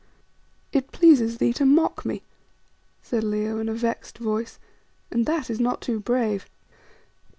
"It pleases thee to mock me," said Leo, in a vexed voice, "and that is not too brave."